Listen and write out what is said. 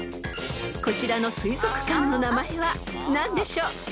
［こちらの水族館の名前は何でしょう？］